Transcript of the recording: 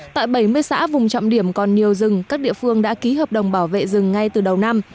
tại bảy mươi xã vùng trọng điểm còn nhiều rừng các địa phương đã ký hợp đồng bảo vệ rừng ngay từ đầu năm